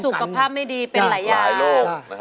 สุขภาพไม่ดีเป็นหลายอย่างลูก